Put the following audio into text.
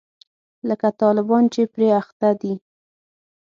لکه طالبان چې پرې اخته دي.